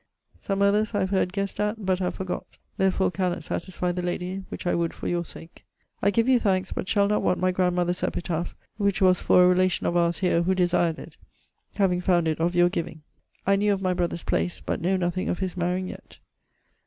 Some others I have heard guessed at, but have forgot. Therfore canot satisfie the lady, which I would for your sake. I give you thankes but shall not want my grandmother's epitaph (which was for a relation of ours heere, who desird it), having found it of your giving. I knew of my brother's place, but know nothing of his mariyng yett.